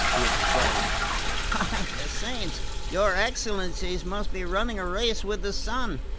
he exclaimed. "By the saints, your excellencies must be running a race with the sun!